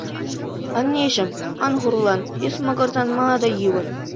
Аннеҫӗм, ан хурлан, эсӗ макӑрсан мана та йывӑр.